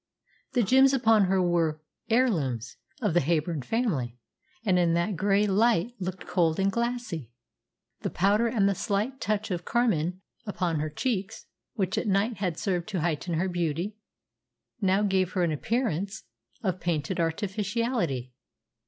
The gems upon her were heirlooms of the Heyburn family, and in that grey light looked cold and glassy. The powder and the slight touch of carmine upon her cheeks, which at night had served to heighten her beauty, now gave her an appearance of painted artificiality.